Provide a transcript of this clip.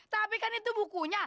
tapi kan itu bukunya